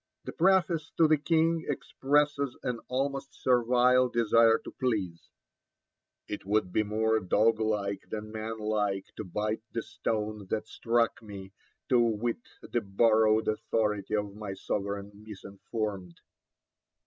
The preface to the King expresses an almost servile desire to please: 'it would be more dog like than man like to bite the stone that struck me, to wit the borrowed authority of my sovereign misinformed.'